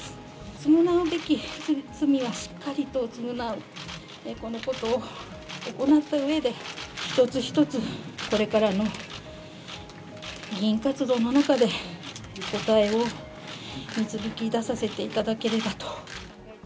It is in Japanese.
償うべき罪はしっかりと償う、このことを行ったうえで、一つ一つこれからの議員活動の中で、答えを導き出させていただければと。